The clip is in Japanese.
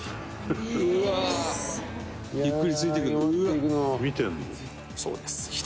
「ゆっくりついていくの？」「見てるの？」